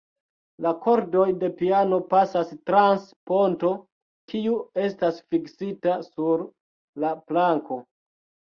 La kordoj de piano pasas trans ponto, kiu estas fiksita sur la planko.